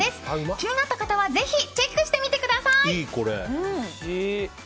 気になった方はぜひチェックしてみてください。